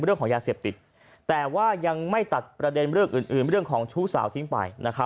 เรื่องของยาเสียบติดแต่ว่ายังไม่ตัดประเด็นเรื่องของชู้สาวทิ้งไป